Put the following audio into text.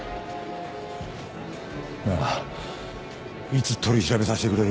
なあいつ取り調べさせてくれる？